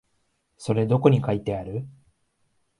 それどこに書いてある？